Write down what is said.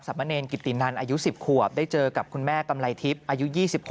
มะเนรกิตินันอายุ๑๐ขวบได้เจอกับคุณแม่กำไรทิพย์อายุ๒๑